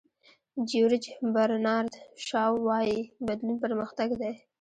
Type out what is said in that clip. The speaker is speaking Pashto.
جیورج برنارد شاو وایي بدلون پرمختګ دی.